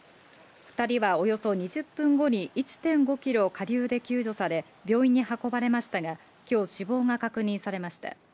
２人は、およそ２０分後に１．５キロ下流で救助され、病院に運ばれましたが今日死亡が確認されました。